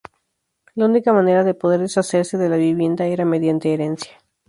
La única manera de poder deshacerse de la vivienda era mediante herencia.